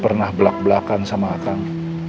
pernah belak belakan sama kang